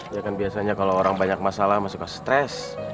ya kan biasanya kalau orang banyak masalah masuk ke stres